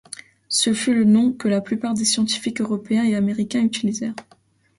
Ce fut le nom que la plupart des scientifiques européens et américains utilisèrent.